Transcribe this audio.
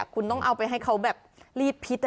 คุณต้องเอาไปให้เขาแบบรีดพิษ